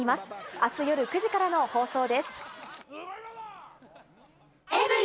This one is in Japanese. あす夜９時からの放送です。